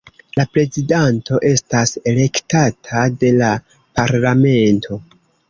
La prezidanto estas elektata de la parlamento.